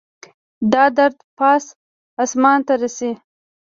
دا درد پاس اسمان ته رسي